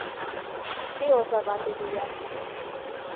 Шке оза вате лият.